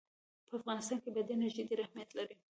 په افغانستان کې بادي انرژي ډېر اهمیت لري.